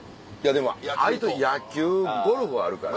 でもあいつ野球ゴルフあるから。